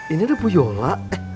ini ada puyola